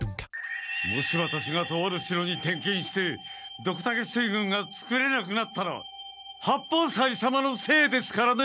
もしワタシがとある城に転勤してドクタケ水軍がつくれなくなったら八方斎様のせいですからね！